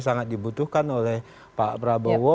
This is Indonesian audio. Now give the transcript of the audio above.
sangat dibutuhkan oleh pak prabowo